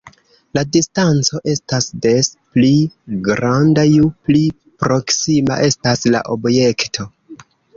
La distanco estas des pli granda ju pli proksima estas la objekto.